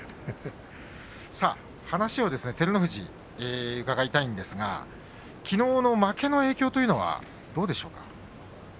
照ノ富士の話を伺いたいんですがきのうの負けの影響というのはどうでしょうか。